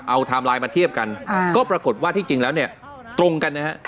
เอาไทม์ไลน์มาเทียบกันก็ปรากฏว่าที่จริงแล้วเนี่ยตรงกันนะฮะ